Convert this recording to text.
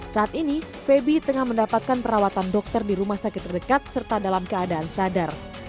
saat ini febi tengah mendapatkan perawatan dokter di rumah sakit terdekat serta dalam keadaan sadar